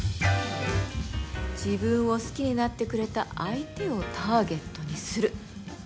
自分を好きになってくれた相手をターゲットにする。